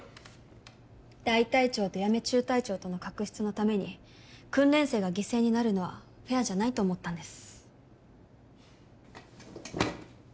大隊長と八女中隊長との確執のために訓練生が犠牲になるのはフェアじゃないと思ったんです。